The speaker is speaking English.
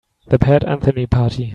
The Pat Anthony Party.